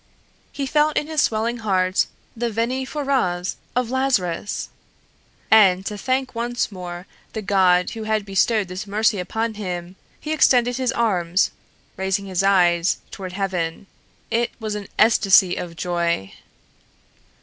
He felt in his swelling heart the Veni foràs of Lazarus! And to thank once more the God who had bestowed this mercy upon him, he extended his arms, raising his eyes toward Heaven. It was an ecstasy of joy!